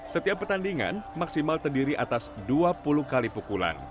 setiap pertandingan maksimal terdiri atas dua puluh kali pukulan